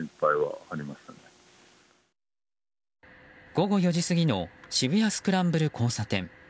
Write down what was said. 午後４時過ぎの渋谷スクランブル交差点。